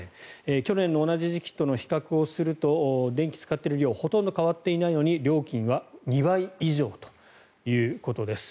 去年の同じ時期と比較をすると電気を使っている量はほとんど変わっていないのに料金は２倍以上ということです。